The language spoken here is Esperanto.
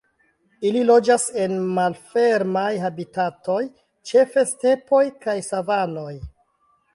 Ili loĝas en malfermaj habitatoj, ĉefe stepoj kaj savanoj.